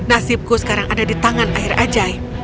nasibku sekarang ada di tangan air ajaib